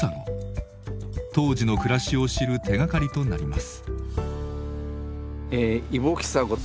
当時の暮らしを知る手がかりとなります。